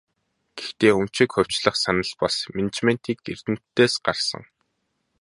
Гэхдээ өмчийг хувьчлах санал бас менежментийн эрдэмтдээс гарсан.